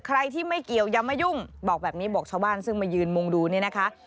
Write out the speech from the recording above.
ใครที่ไม่เกี่ยวอย่ามายุ่งบอกแบบนี้บอกชาวบ้านซึ่งมายืนมุงดูเนี่ยนะคะ